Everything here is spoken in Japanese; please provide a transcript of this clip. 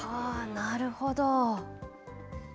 なるほど。